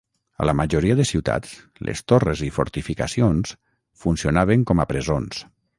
A la majoria de ciutats, les torres i fortificacions funcionaven com a presons.